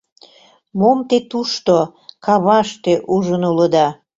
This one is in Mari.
— Мом те тушто, каваште, ужын улыда?